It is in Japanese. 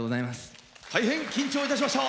大変、緊張いたしました。